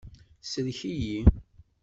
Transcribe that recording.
Sellek-iyi!